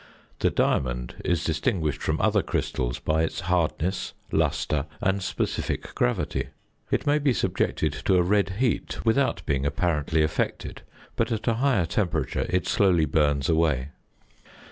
The diamond is distinguished from other crystals by its hardness, lustre, and specific gravity. It may be subjected to a red heat without being apparently affected, but at a higher temperature it slowly burns away.